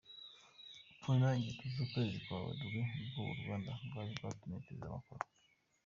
Mu ntangiriro z’ukwezi kwa Werurwe ni bwo u Rwanda rwari rwatumiye perezida Macron.